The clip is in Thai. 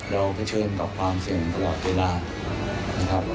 เราเผชิญกับความเสี่ยงตลอดเวลานะครับนะครับ